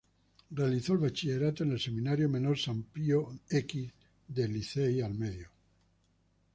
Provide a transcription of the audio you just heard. Realizó el bachillerato en el Seminario Menor San Pío X de Licey al Medio.